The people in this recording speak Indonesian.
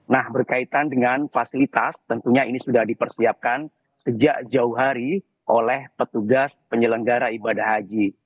nah berkaitan dengan fasilitas tentunya ini sudah dipersiapkan sejak jauh hari oleh petugas penyelenggara ibadah haji